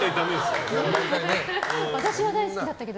私は大好きだったけど。